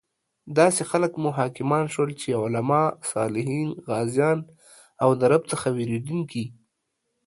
داسې خلک مو حاکمان شول چې علماء، صالحین، غازیان او د رب څخه ویریدونکي